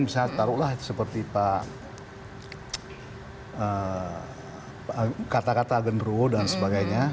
misalnya taruhlah seperti kata kata agen ruo dan sebagainya